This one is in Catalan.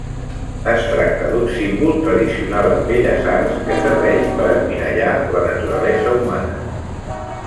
Es tracta d'un símbol tradicional en Belles Arts que serveix per emmirallar la naturalesa humana.